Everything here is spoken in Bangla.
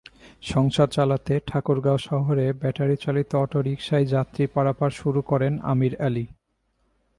সংসার চালাতে ঠাকুরগাঁও শহরে ব্যাটারিচালিত অটোরিকশায় যাত্রী পারাপার শুরু করেন আমির আলী।